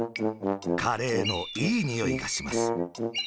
カレーのいいにおいがします。